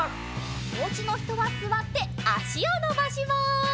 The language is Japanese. おうちのひとはすわってあしをのばします。